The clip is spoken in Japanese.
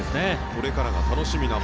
これからが楽しみな。